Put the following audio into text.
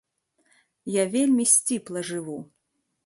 Я вельмі сціпла жыву.